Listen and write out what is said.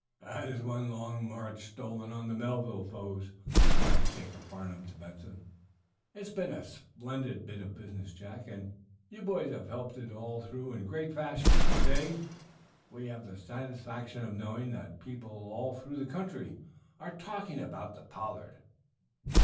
"That is one long march stolen on the Melville foes," laughed Jacob Farnum to Benson. "It has been a splendid bit of business, Jack, and you boys have helped it all through in great fashion. To day, we have the satisfaction of knowing that people all through the country are talking about the 'Pollard.'"